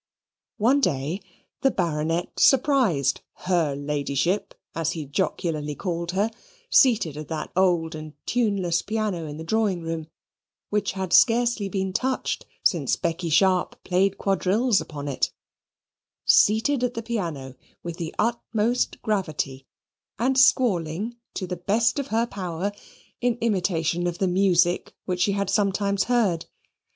One day the Baronet surprised "her ladyship," as he jocularly called her, seated at that old and tuneless piano in the drawing room, which had scarcely been touched since Becky Sharp played quadrilles upon it seated at the piano with the utmost gravity and squalling to the best of her power in imitation of the music which she had sometimes heard.